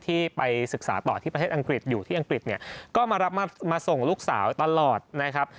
ที่ไปศึกษาต่อที่ประเทศอังกฤษอยู่ที่อังกฤษเนี่ยก็มารับมาส่งลูกสาวตลอดนะครับ